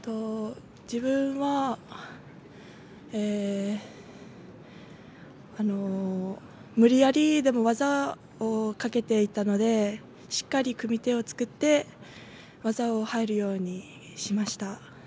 自分は無理やりでも技をかけていたのでしっかり組み手を作って技に入るようにしました。